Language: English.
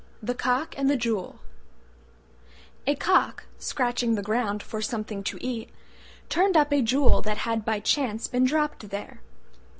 THE COCK AND THE JEWEL A Cock, scratching the ground for something to eat, turned up a Jewel that had by chance been dropped there.